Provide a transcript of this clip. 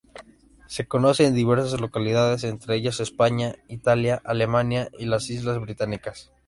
Se conoce en diversas localidades, entre ellas: España, Italia, Alemania y las Islas Británicas.